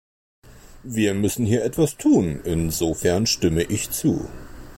Wir müssen hier etwas tun, insofern stimme ich zu.